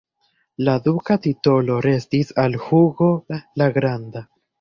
La duka titolo restis al Hugo la Granda.